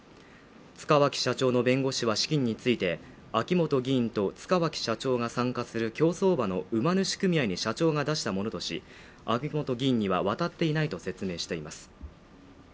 塚脇社長の弁護士は資金について秋本議員と塚脇社長が参加する競走馬の馬主組合に社長が出したものとし秋本議員には渡っていないと説明しています